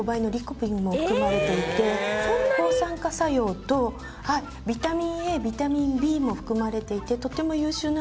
抗酸化作用とビタミンＡビタミンＢも含まれていてとても優秀なんですね。